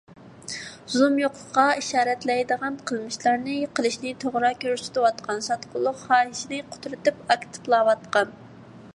زۇلۇم يوقلىقىغا ئىشارەتلەيدىغان قىلمىشلارنى قىلىشنى توغرا كۆرسىتىۋاتقان، ساتقۇنلۇق خاھىشىنى قۇترىتىپ ئاكتىپلاۋاتقان.